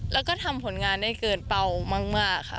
แล้วก็ทำผลงานได้เกินเป้ามากค่ะ